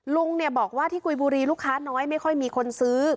ลุงบอกว่าที่กุยบุรีลูกค้าน้อยไม่ค่อยมีคนซื้อ